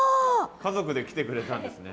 家族で来てくれたんですね。